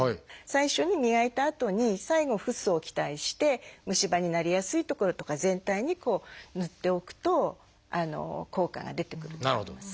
最初に磨いたあとに最後フッ素を虫歯になりやすい所とか全体に塗っておくと効果が出てくると思います。